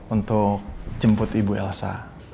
untuk jemput ibu elsa